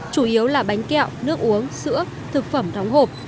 chủ yếu là bánh kẹo nước uống sữa thực phẩm đóng hộp